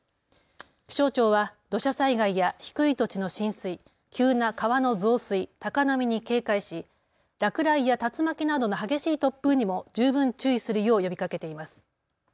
気象庁は土砂災害や低い土地の浸水、急な川の増水、高波に警戒し落雷や竜巻などの激しい突風にも十分注意するよう呼びかけています。